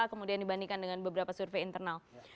kemudian dibandingkan dengan beberapa survei internal